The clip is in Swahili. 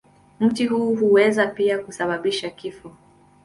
Mti huu huweza pia kusababisha kifo.